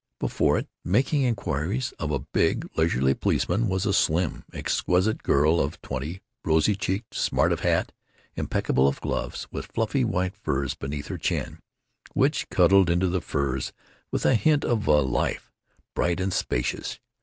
Before it, making inquiries of a big, leisurely policeman, was a slim, exquisite girl of twenty, rosy cheeked, smart of hat, impeccable of gloves, with fluffy white furs beneath her chin, which cuddled into the furs with a hint of a life bright and spacious.